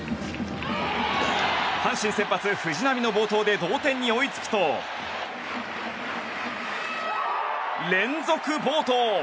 阪神先発、藤浪の暴投で同点に追いつくと連続暴投。